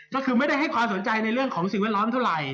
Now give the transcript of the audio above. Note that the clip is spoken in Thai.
ก็คือไม่ได้ให้ความสนใจในเรื่องของสิ่งแวดล้อมเท่าไหร่